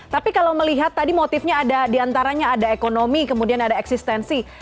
tapi kalau melihat tadi motifnya ada diantaranya ada ekonomi kemudian ada eksistensi